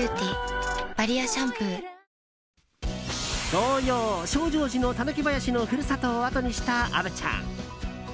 童謡「証城寺の狸ばやし」の故郷をあとにした虻ちゃん。